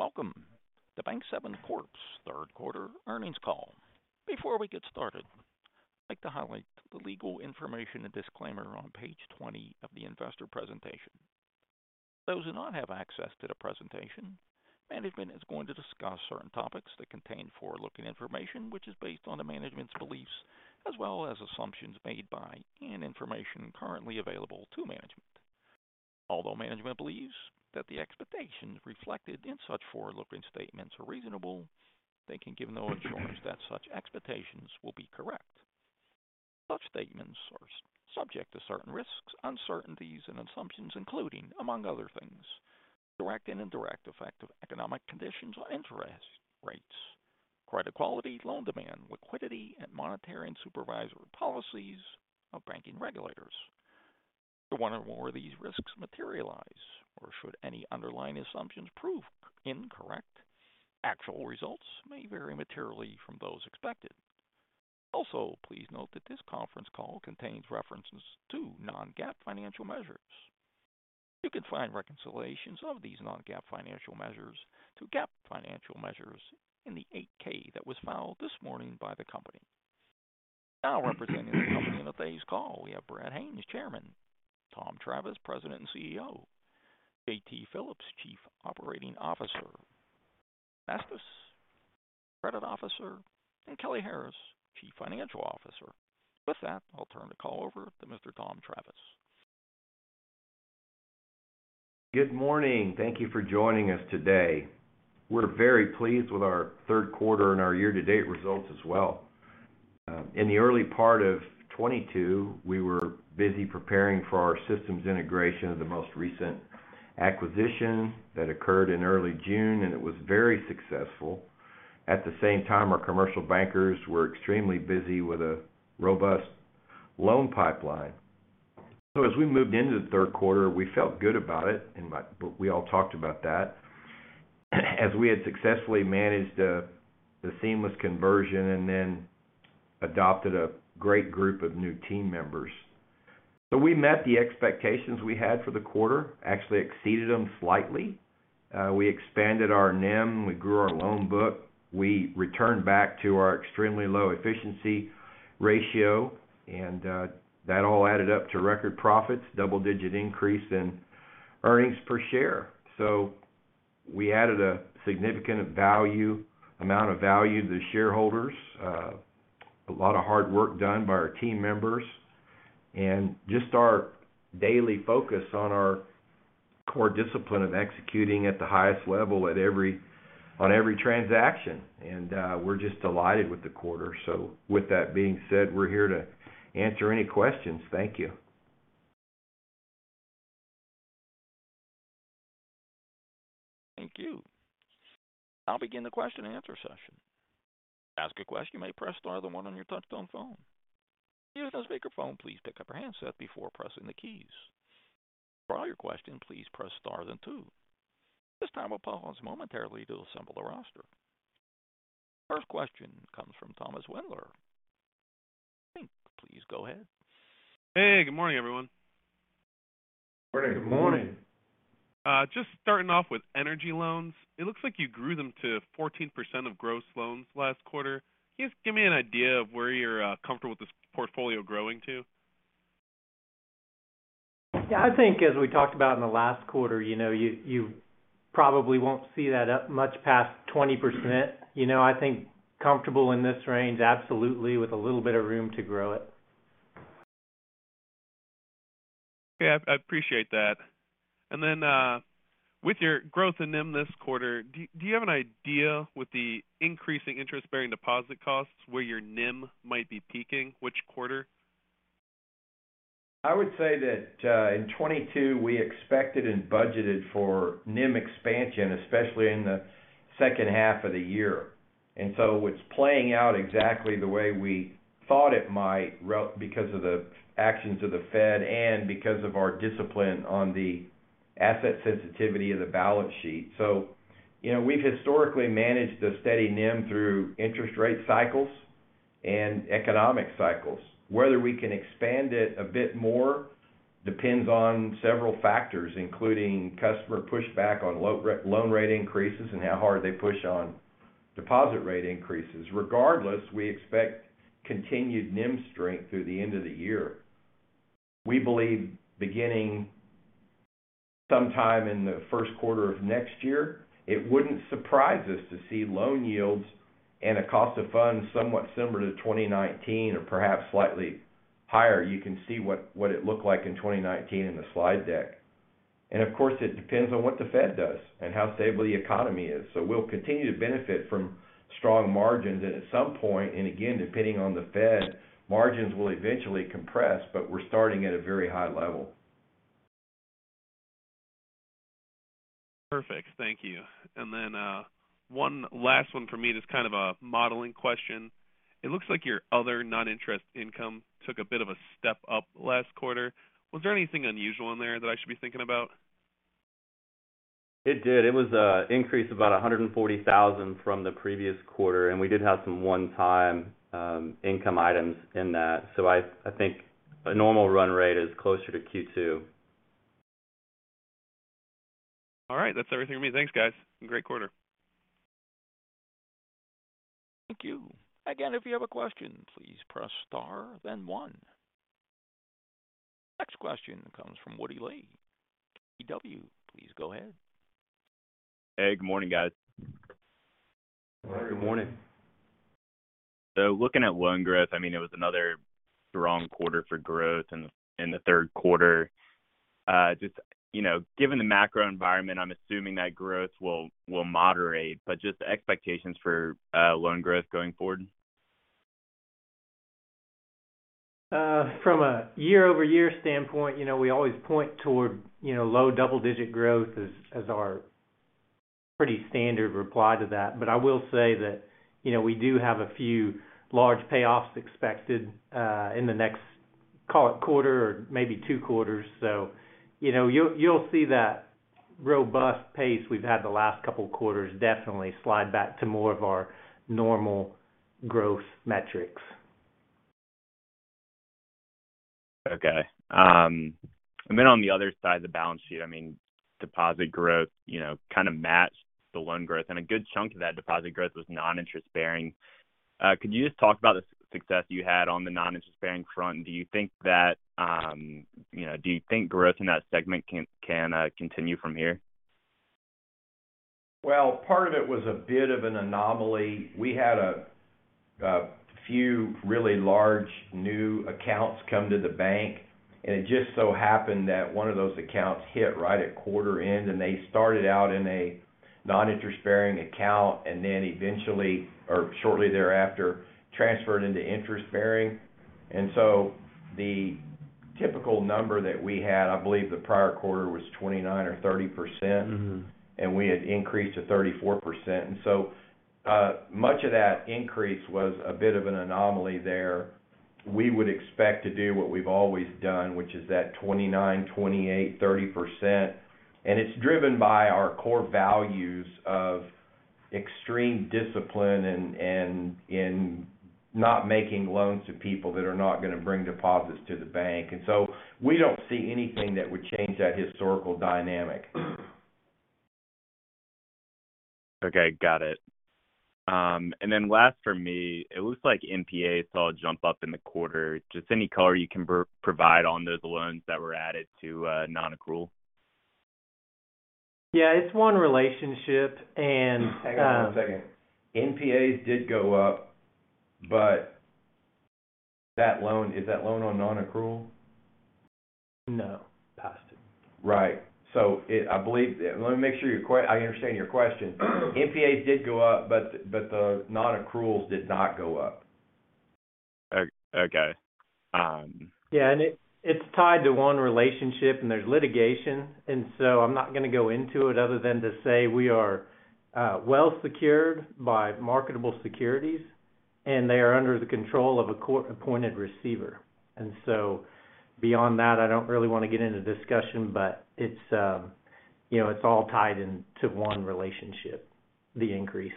Welcome to Bank7 Corp.'s third quarter earnings call. Before we get started, I'd like to highlight the legal information and disclaimer on page 20 of the investor presentation. Those who do not have access to the presentation, management is going to discuss certain topics that contain forward-looking information, which is based on the management's beliefs as well as assumptions made by and information currently available to management. Although management believes that the expectations reflected in such forward-looking statements are reasonable, they can give no assurance that such expectations will be correct. Such statements are subject to certain risks, uncertainties and assumptions, including, among other things, direct and indirect effect of economic conditions or interest rates, credit quality, loan demand, liquidity, and monetary and supervisory policies of banking regulators. If one or more of these risks materialize, or should any underlying assumptions prove incorrect, actual results may vary materially from those expected. Also, please note that this conference call contains references to non-GAAP financial measures. You can find reconciliations of these non-GAAP financial measures to GAAP financial measures in the 8-K that was filed this morning by the company. Now representing the company in today's call, we have Brad Haines, Chairman, Thomas L. Travis, President and CEO, John T. Phillips, Chief Operating Officer, Jason Estes, Executive Vice President and Chief Credit Officer, and Kelly Harris, Chief Financial Officer. With that, I'll turn the call over to Mr. Thomas L. Travis. Good morning. Thank you for joining us today. We're very pleased with our third quarter and our year-to-date results as well. In the early part of 2022, we were busy preparing for our systems integration of the most recent acquisition that occurred in early June, and it was very successful. At the same time, our commercial bankers were extremely busy with a robust loan pipeline. As we moved into the third quarter, we felt good about it, and we all talked about that, as we had successfully managed the seamless conversion and then adopted a great group of new team members. We met the expectations we had for the quarter, actually exceeded them slightly. We expanded our NIM, we grew our loan book, we returned back to our extremely low efficiency ratio, and that all added up to record profits, double-digit increase in earnings per share. We added a significant amount of value to the shareholders, a lot of hard work done by our team members, and just our daily focus on our core discipline of executing at the highest level on every transaction. We're just delighted with the quarter. With that being said, we're here to answer any questions. Thank you. Thank you. I'll begin the question and answer session. To ask a question, you may press star then one on your touchtone phone. If you're on speakerphone, please pick up your handset before pressing the keys. For all your questions, please press star then two. At this time, we'll pause momentarily to assemble the roster. First question comes from Thomas Wendler. Please go ahead. Hey, good morning, everyone. Morning. Good morning. Just starting off with energy loans. It looks like you grew them to 14% of gross loans last quarter. Can you just give me an idea of where you're comfortable with this portfolio growing to? Yeah, I think as we talked about in the last quarter, you know, you probably won't see that up much past 20%. You know, I think comfortable in this range, absolutely, with a little bit of room to grow it. Yeah, I appreciate that. Then, with your growth in NIM this quarter, do you have an idea with the increasing interest-bearing deposit costs where your NIM might be peaking, which quarter? I would say that in 2022, we expected and budgeted for NIM expansion, especially in the second half of the year. It's playing out exactly the way we thought it might because of the actions of the Fed and because of our discipline on the asset sensitivity of the balance sheet. You know, we've historically managed a steady NIM through interest rate cycles and economic cycles. Whether we can expand it a bit more depends on several factors, including customer pushback on loan rate increases and how hard they push on deposit rate increases. Regardless, we expect continued NIM strength through the end of the year. We believe beginning sometime in the first quarter of next year, it wouldn't surprise us to see loan yields and a cost of funds somewhat similar to 2019 or perhaps slightly higher. You can see what it looked like in 2019 in the slide deck. Of course, it depends on what the Fed does and how stable the economy is. We'll continue to benefit from strong margins. At some point, and again, depending on the Fed, margins will eventually compress, but we're starting at a very high level. Perfect. Thank you. One last one for me, and it's kind of a modeling question. It looks like your other non-interest income took a bit of a step up last quarter. Was there anything unusual in there that I should be thinking about? It did. It was an increase about $140,000 from the previous quarter, and we did have some one-time income items in that. I think a normal run rate is closer to Q2. All right, that's everything for me. Thanks, guys. Great quarter. Thank you. Again, if you have a question, please press star then one. Next question comes from Woody Lay. KBW, please go ahead. Hey, good morning, guys. Good morning. Good morning. Looking at loan growth, I mean, it was another strong quarter for growth in the third quarter. You know, given the macro environment, I'm assuming that growth will moderate, but just expectations for loan growth going forward. From a year-over-year standpoint, you know, we always point toward, you know, low double-digit growth as our pretty standard reply to that. I will say that, you know, we do have a few large payoffs expected in the next, call it, quarter or maybe two quarters. You know, you'll see that robust pace we've had the last couple of quarters definitely slide back to more of our normal growth metrics. Okay. On the other side of the balance sheet, I mean, deposit growth, you know, kind of matched the loan growth, and a good chunk of that deposit growth was non-interest-bearing. Could you just talk about the success you had on the non-interest-bearing front? Do you think that, you know, do you think growth in that segment can continue from here? Well, part of it was a bit of an anomaly. We had a few really large new accounts come to the bank, and it just so happened that one of those accounts hit right at quarter end, and they started out in a non-interest-bearing account, and then eventually or shortly thereafter, transferred into interest-bearing. The typical number that we had, I believe the prior quarter was 29% or 30%. Mm-hmm. We had increased to 34%. Much of that increase was a bit of an anomaly there. We would expect to do what we've always done, which is that 29, 28, 30%. It's driven by our core values of extreme discipline and in not making loans to people that are not going to bring deposits to the bank. We don't see anything that would change that historical dynamic. Okay, got it. Then last for me, it looks like NPAs saw a jump up in the quarter. Just any color you can provide on those loans that were added to non-accrual. Yeah, it's one relationship. Hang on one second. NPAs did go up, but that loan. Is that loan on non-accrual? No. Passed. Right. I believe I understand your question. NPAs did go up, but the non-accruals did not go up. Okay. Yeah. It's tied to one relationship, and there's litigation. I'm not going to go into it other than to say we are well secured by marketable securities, and they are under the control of a court-appointed receiver. Beyond that, I don't really want to get into discussion, but it's you know, it's all tied into one relationship, the increase.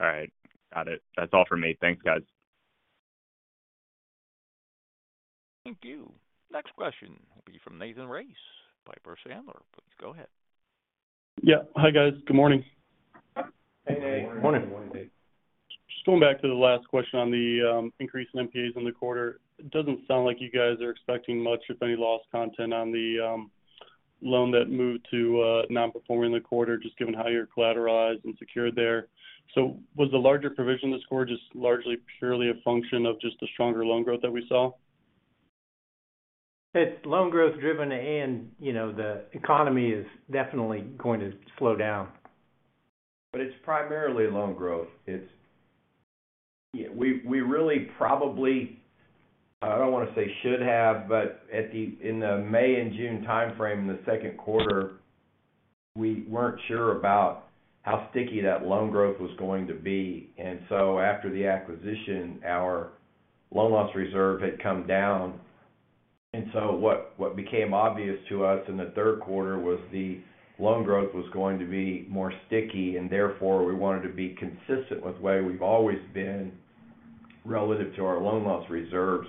All right. Got it. That's all for me. Thanks, guys. Thank you. Next question will be from Nathan Race, Piper Sandler. Please go ahead. Yeah. Hi, guys. Good morning. Hey, Nate. Good morning. Morning, Nate. Just going back to the last question on the increase in NPAs in the quarter. It doesn't sound like you guys are expecting much, if any, loss content on the loan that moved to non-performing in the quarter, just given how you're collateralized and secured there. Was the larger provision this quarter just largely purely a function of just the stronger loan growth that we saw? It's loan growth driven and, you know, the economy is definitely going to slow down. It's primarily loan growth. Yeah, we really probably, I don't want to say should have, but in the May and June timeframe in the second quarter, we weren't sure about how sticky that loan growth was going to be. After the acquisition, our loan loss reserve had come down. What became obvious to us in the third quarter was the loan growth was going to be more sticky, and therefore, we wanted to be consistent with the way we've always been relative to our loan loss reserves.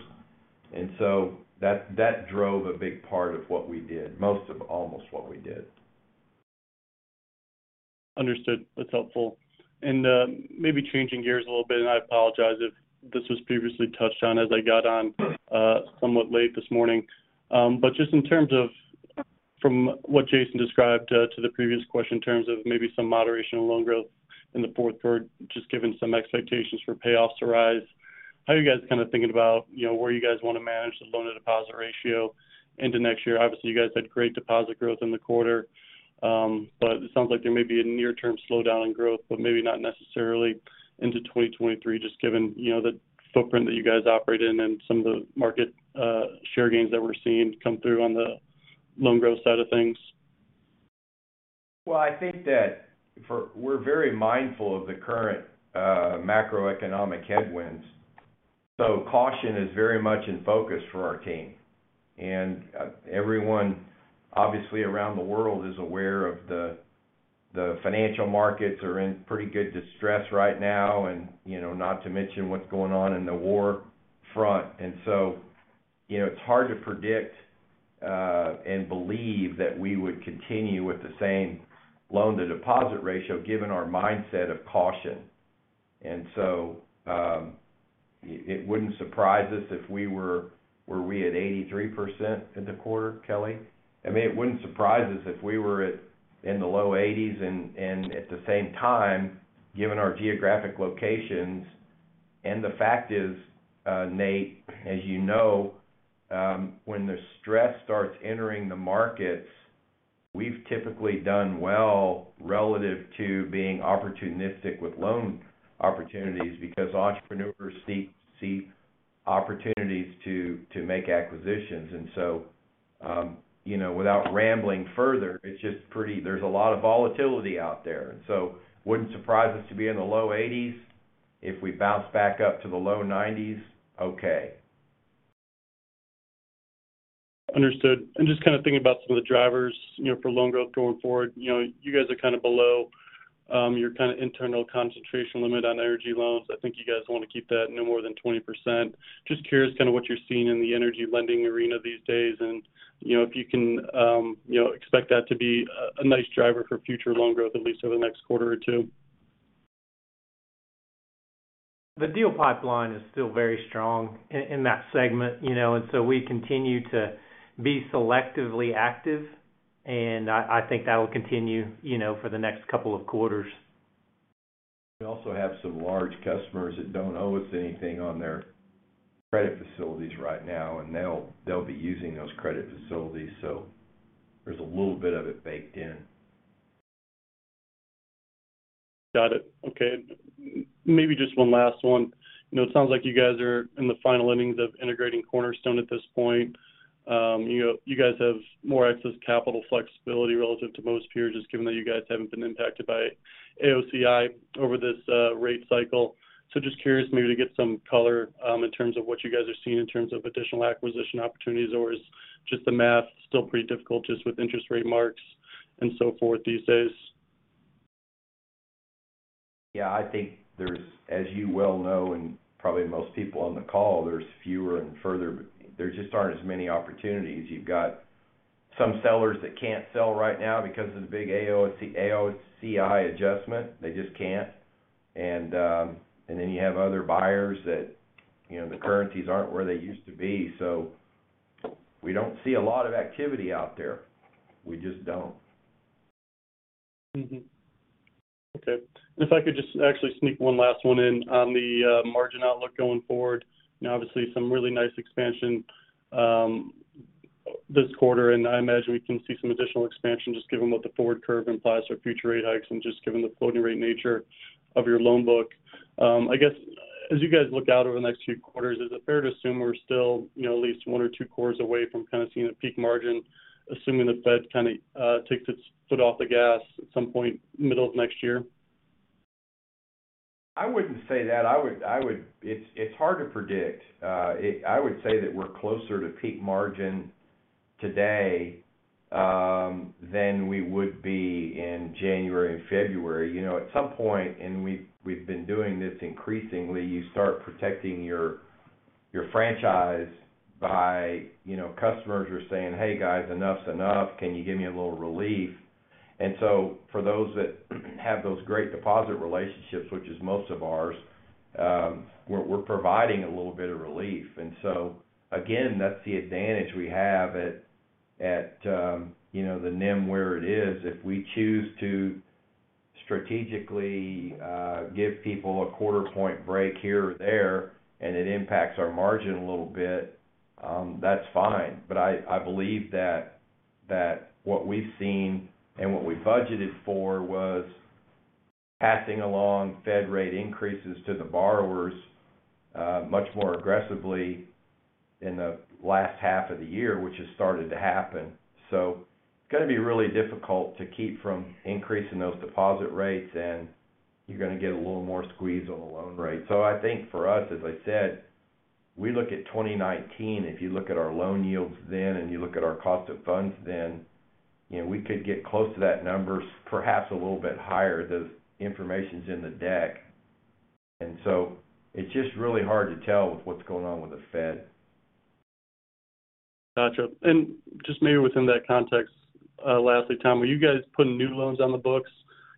That drove a big part of what we did, most of almost what we did. Understood. That's helpful. Maybe changing gears a little bit, and I apologize if this was previously touched on as I got on somewhat late this morning. But just in terms of from what Jason described to the previous question in terms of maybe some moderation of loan growth in the fourth quarter, just given some expectations for payoffs to rise, how are you guys kind of thinking about, you know, where you guys want to manage the loan to deposit ratio into next year? Obviously, you guys had great deposit growth in the quarter. But it sounds like there may be a near-term slowdown in growth, but maybe not necessarily into 2023, just given, you know, the footprint that you guys operate in and some of the market share gains that we're seeing come through on the loan growth side of things. Well, I think that we're very mindful of the current macroeconomic headwinds, so caution is very much in focus for our team. Everyone obviously around the world is aware of the financial markets are in pretty good distress right now and, you know, not to mention what's going on in the war front. You know, it's hard to predict and believe that we would continue with the same loan-to-deposit ratio given our mindset of caution. It wouldn't surprise us if we were at 83% in the quarter. Were we at 83% in the quarter, Kelly? I mean, it wouldn't surprise us if we were at in the low 80s% and at the same time, given our geographic locations, and the fact is, Nate, as you know, when the stress starts entering the markets, we've typically done well relative to being opportunistic with loan opportunities because entrepreneurs see opportunities to make acquisitions. You know, without rambling further, there's a lot of volatility out there. It wouldn't surprise us to be in the low 80s%. If we bounce back up to the low 90s%, okay. Understood. I'm just kind of thinking about some of the drivers, you know, for loan growth going forward. You know, you guys are kind of below your kind of internal concentration limit on energy loans. I think you guys want to keep that no more than 20%. Just curious kind of what you're seeing in the energy lending arena these days and, you know, if you can, you know, expect that to be a nice driver for future loan growth at least over the next quarter or two. The deal pipeline is still very strong in that segment, you know. And so we continue to be selectively active, and I think that'll continue, you know, for the next couple of quarters. We also have some large customers that don't owe us anything on their credit facilities right now, and they'll be using those credit facilities. There's a little bit of it baked in. Got it. Okay. Maybe just one last one. You know, it sounds like you guys are in the final innings of integrating Cornerstone at this point. You know, you guys have more excess capital flexibility relative to most peers just given that you guys haven't been impacted by AOCI over this rate cycle. Just curious maybe to get some color in terms of what you guys are seeing in terms of additional acquisition opportunities, or is just the math still pretty difficult just with interest rate marks and so forth these days? Yeah. I think there's, as you well know, and probably most people on the call, there just aren't as many opportunities. You've got some sellers that can't sell right now because of the big AOCI adjustment. They just can't. Then you have other buyers that, you know, the currencies aren't where they used to be. So we don't see a lot of activity out there. We just don't. Okay. If I could just actually sneak one last one in on the margin outlook going forward. You know, obviously, some really nice expansion this quarter, and I imagine we can see some additional expansion just given what the forward curve implies for future rate hikes and just given the floating rate nature of your loan book. I guess as you guys look out over the next few quarters, is it fair to assume we're still, you know, at least one or two quarters away from kind of seeing a peak margin, assuming the Fed kind of takes its foot off the gas at some point middle of next year? I wouldn't say that. It's hard to predict. I would say that we're closer to peak margin today than we would be in January and February. You know, at some point, and we've been doing this increasingly, you start protecting your franchise by, you know, customers are saying, "Hey guys, enough's enough. Can you give me a little relief?" For those that have those great deposit relationships, which is most of ours, we're providing a little bit of relief. Again, that's the advantage we have at you know, the NIM where it is. If we choose to strategically give people a quarter point break here or there, and it impacts our margin a little bit, that's fine. I believe that what we've seen and what we budgeted for was passing along Fed rate increases to the borrowers much more aggressively in the last half of the year, which has started to happen. It's gonna be really difficult to keep from increasing those deposit rates, and you're gonna get a little more squeeze on the loan rate. I think for us, as I said, we look at 2019, if you look at our loan yields then and you look at our cost of funds then, you know, we could get close to that number, perhaps a little bit higher. The information's in the deck. It's just really hard to tell with what's going on with the Fed. Gotcha. Just maybe within that context, lastly, Tom, are you guys putting new loans on the books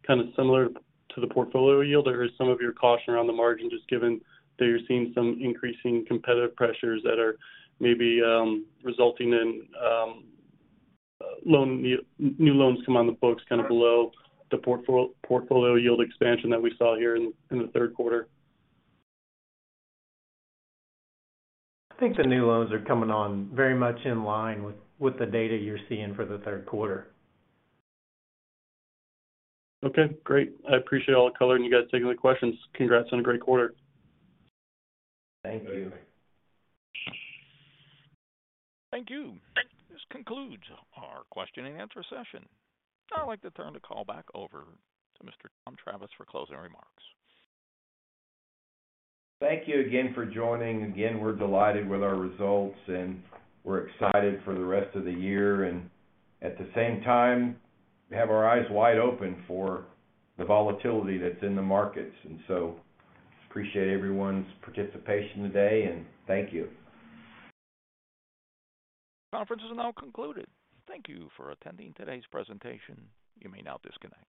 kind of similar to the portfolio yield, or is some of your caution around the margin just given that you're seeing some increasing competitive pressures that are maybe resulting in new loans come on the books kind of below the portfolio yield expansion that we saw here in the third quarter? I think the new loans are coming on very much in line with the data you're seeing for the third quarter. Okay, great. I appreciate all the color and you guys taking the questions. Congrats on a great quarter. Thank you. Thank you. This concludes our question and answer session. I'd like to turn the call back over to Mr. Tom Travis for closing remarks. Thank you again for joining. Again, we're delighted with our results, and we're excited for the rest of the year and, at the same time, we have our eyes wide open for the volatility that's in the markets. Appreciate everyone's participation today, and thank you. Conference is now concluded. Thank you for attending today's presentation. You may now disconnect.